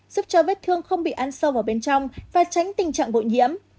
giúp cho vết thương không bị ăn sâu vào bên trong và tránh tình trạng bội nhiễm